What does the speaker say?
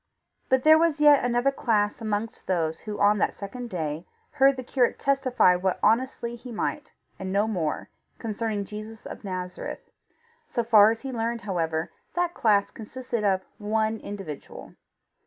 But there was yet another class amongst those who on that second day heard the curate testify what honestly he might, and no more, concerning Jesus of Nazareth. So far as he learned, however, that class consisted of one individual.